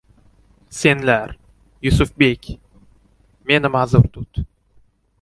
Senlar, Yusufbek, meni ma’zur tut.